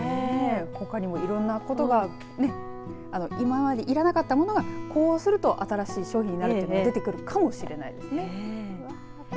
ほかにもいろんなことが今までいらなかったものがこうすると新しい商品になるというのが出てくるかもしれないですね。